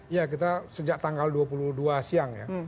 ya kita sejak tanggal dua puluh dua siang ya